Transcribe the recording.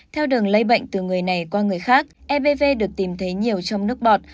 theo đường lấy bệnh từ người này qua người khác ebv được tìm thấy nhiều trong nước bọt